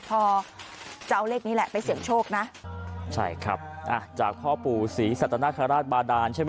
พอจะเอาเลขนี้แหละไปเสี่ยงโชคนะใช่ครับอ่ะจากพ่อปู่ศรีสัตนคราชบาดานใช่ไหม